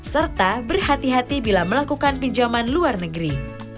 serta berhati hati bila melakukan pinjaman luar negeri